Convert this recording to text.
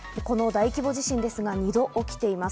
この大規模地震ですが、２度起きています。